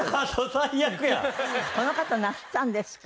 この方なすったんですから。